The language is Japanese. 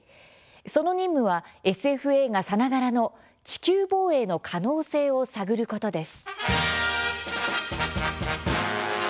その任務はＳＦ映画さながらの地球防衛の可能性を探ることです。